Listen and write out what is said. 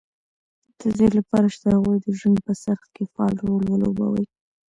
د دې لپاره چې د هغوی د ژوند په څرخ کې فعال رول ولوبوي